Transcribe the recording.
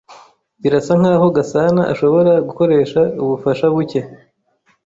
Birasa nkaho Gasanaashobora gukoresha ubufasha buke.